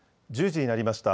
１０時になりました。